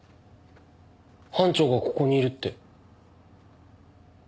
班長がここにいるって。